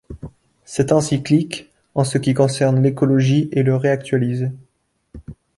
Cette encyclique en ce qui concerne l'écologie et le réactualise.